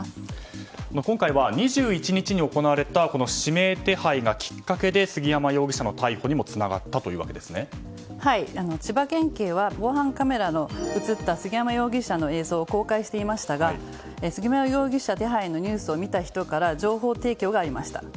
今回は２１日に行われた指名手配がきっかけで杉山容疑者の逮捕にも千葉県警は防犯カメラの映った杉山容疑者の映像を後悔していましたが杉山容疑者手配のニュースを見た人から情報提供がありました。